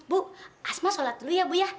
bu asma sholat dulu ya bu ya